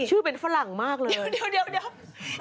ชื่อเป็นฝรั่งมากเลย